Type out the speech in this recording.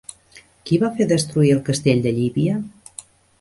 Qui va fer destruir el castell de Llívia?